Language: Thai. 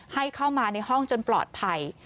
ให้เข้ามาในห้องจนปลอดภัย